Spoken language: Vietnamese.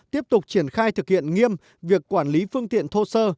tiếp tục triển khai thực hiện nghiêm việc quản lý phương tiện thô sơ